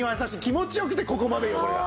気持ち良くてここまで汚れが。